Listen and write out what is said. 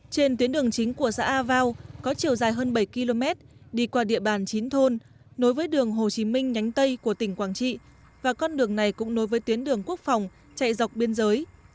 trên tuyến đường chính của xã a vao có chiều dài hơn bảy km đi qua địa bàn chín thôn nối với đường hồ chí minh nhánh tây của tỉnh quảng trị và con đường này cũng nối với tuyến đường quốc phòng chạy dọc biên giới